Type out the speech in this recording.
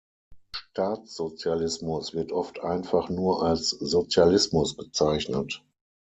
Staatssozialismus wird oft einfach nur als „Sozialismus“ bezeichnet.